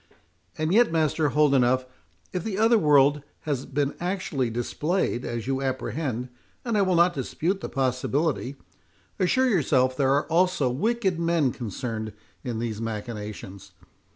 "And yet, Master Holdenough, if the other world has been actually displayed, as you apprehend, and I will not dispute the possibility, assure yourself there are also wicked men concerned in these machinations.